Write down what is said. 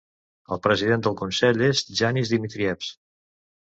El president del consell és Janis Dimitrijevs.